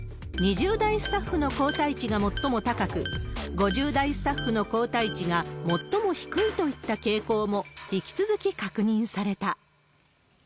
２０代スタッフの抗体値が最も高く、５０代スタッフの抗体値が最も低いといった傾向も引き続き確認された。